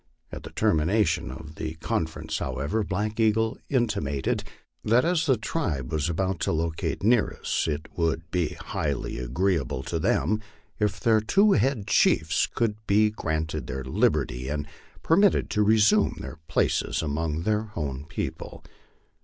At the termination of the conference, however, Black Eagle inti mated that as the tribe was about to locate near us, it would be highly agree able to them if their two head chiefs could be granted their liberty and per mitted to resume their places among their own people.